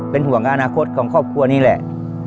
เป็นห่วงอนาคตของครอบครัวนี่แหละ